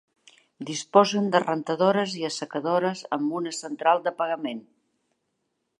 Disposen de rentadores i assecadores amb una central de pagament.